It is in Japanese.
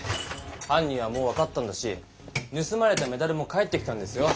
はん人はもう分かったんだしぬすまれたメダルも返ってきたんですよ。